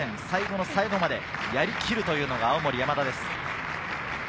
最後の最後までやりきるというのが青森山田です。